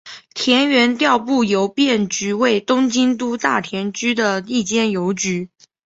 田园调布邮便局为东京都大田区的一间邮局。